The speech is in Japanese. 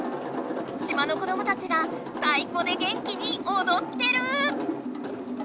島の子どもたちがたいこで元気におどってる！